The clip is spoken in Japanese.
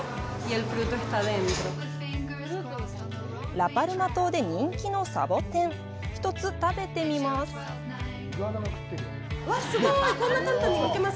ラ・パルマ島で人気のサボテン１つ食べてみます。